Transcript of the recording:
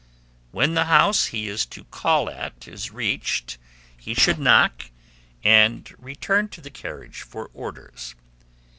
When the house he is to call at is reached, he should knock, and return to the carriage for orders.